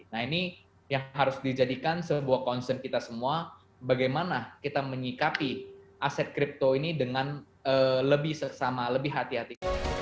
nah ini yang harus dijadikan sebuah concern kita semua bagaimana kita menyikapi aset kripto ini dengan lebih sesama lebih hati hati